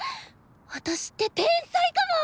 私って天才かも！